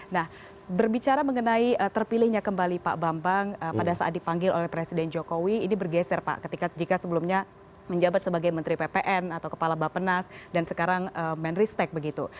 nah berbicara mengenai terpilihnya kembali pak bambang pada saat dipanggil oleh presiden jokowi ini bergeser pak ketika sebelumnya menjabat sebagai menteri ppn atau kepala bapenas dan sekarang menristek begitu